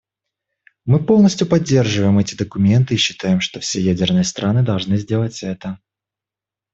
Мы полностью поддерживаем эти документы и считаем, что все ядерные страны должны сделать это.